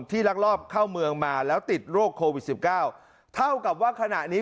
ลักลอบเข้าเมืองมาแล้วติดโรคโควิดสิบเก้าเท่ากับว่าขณะนี้